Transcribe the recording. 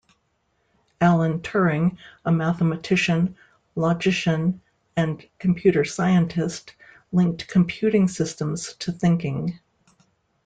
Alan Turing, a mathematician, logician and computer scientist, linked computing systems to thinking.